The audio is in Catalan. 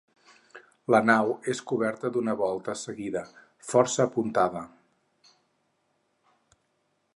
La nau és coberta d'una volta seguida, força apuntada.